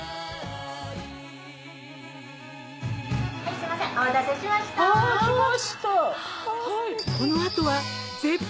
すいませんお待たせしました。を堪能！